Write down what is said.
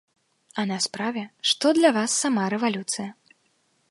А на справе, што для вас сама рэвалюцыя?